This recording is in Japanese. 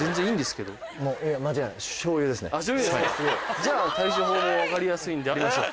じゃあ対処法も分かりやすいんでやりましょう。